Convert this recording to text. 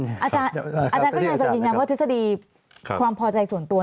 อาจารย์กำลังจะยืนยันว่าทฤษฎีความพอใจส่วนตัว